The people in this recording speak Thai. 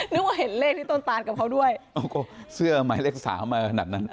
นึกว่าเห็นเลขที่ต้นตานกับเขาด้วยโอ้โหเสื้อหมายเลขสามมาขนาดนั้น